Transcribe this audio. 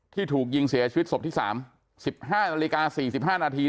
ที่ถูกยิงเสียชีวิตศพที่สามสิบห้านาฬิกาสี่สิบห้านาที